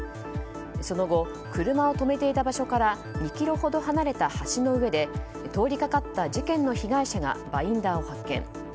その後、車を止めていた場所から２ｋｍほど離れた橋の上で通りかかった事件の被害者がバインダーを発見。